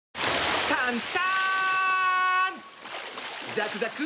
ザクザク！